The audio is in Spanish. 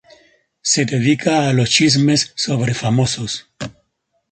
Se dedica a los chismes sobre famosos.